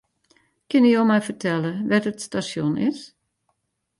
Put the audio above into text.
Kinne jo my fertelle wêr't it stasjon is?